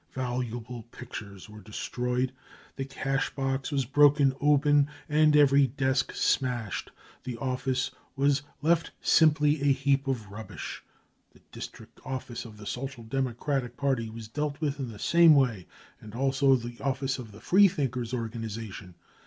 Valuable pictures were destroyed ; the cash box was broken open, and every desk smashed. The office was left simply a heap of rubbish. The district office of the Social Democratic Party was dealt with in the same way, and also the office of the Freethinkers organisa tion.